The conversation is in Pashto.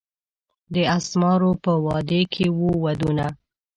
د اسمارو په وادي کښي وو ودونه